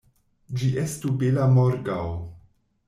Ĝi estu bela morgaŭ!